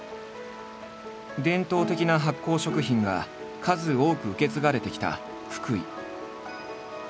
伝統的な発酵食品が数多く受け継がれてきた福井。